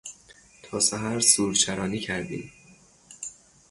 تا سحر سورچرانی کردیم.